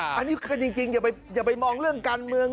อันนี้คือจริงอย่าไปมองเรื่องการเมือง